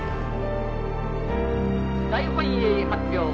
「大本営発表。